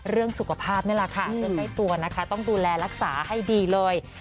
เรื่องสุขภาพนี่แหละค่ะเรื่องใกล้ตัวนะคะต้องดูแลรักษาให้ดีเลย